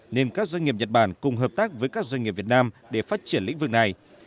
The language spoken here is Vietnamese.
nên các doanh nghiệp nhật bản cùng hợp tác với các doanh nghiệp việt nam để phát triển lĩnh vực này